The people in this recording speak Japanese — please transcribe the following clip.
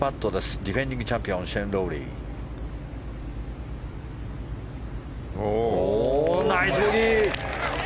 ディフェンディングチャンピオンシェーン・ロウリー。